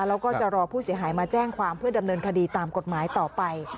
แล้วก็จะรอผู้เสียหายมาแจ้งความเพื่อดำเนินคดีตามกฎหมายต่อไป